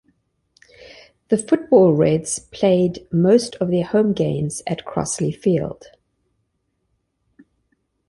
The football Reds played most of their home games at Crosley Field.